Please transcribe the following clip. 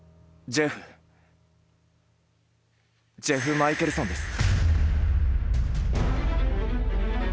ジェフ・マイケルソンです。